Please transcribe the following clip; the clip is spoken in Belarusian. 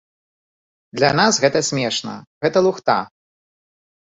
Для нас гэта смешна, гэта лухта!